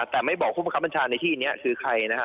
แต่ไม่บอกผู้ปัญชานในที่เนี่ยคือใครนะฮะ